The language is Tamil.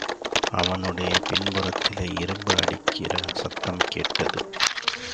அவனுடைய பின்புறத்திலே, இரும்பு அடிக்கிற சத்தம்கேட்டது.